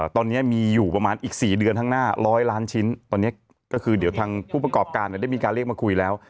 ตอนนี้มีอยู่ประมาณอีก๔เดือนข้างหน้า๑๐๐ล้านชิ้นตอนนี้ก็คือเดี๋ยวทางผู้ประกอบการได้มีการเรียกมาคุยแล้ว